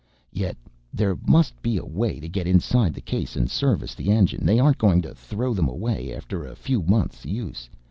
Yet there must be a way to get inside the case and service the engine, they aren't just going to throw them away after a few months' use.